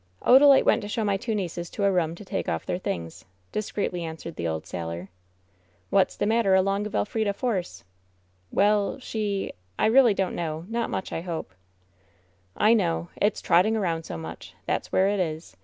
Odalite went to show my two nieces to a room to take off their things," discreetly answered the old sailor. "What's the matter along of Elf rida Force ?" "Well — she I really don't know. Not much, I hope." "I know. It's trotting around so much. There's where it is.